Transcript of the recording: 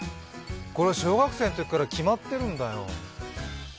これ、小学生のときから決まってるんだよ。